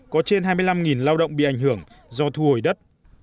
có trên hai mươi năm lao động bị ảnh hưởng do thu hồi đất